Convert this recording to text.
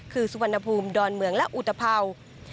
คือสุวรรณภูมิดอนเมืองและอุตภัวร์